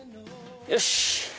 よし！